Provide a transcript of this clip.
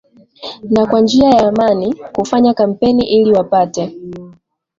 na kwa njia ya amani kufanya kampeni ili wapate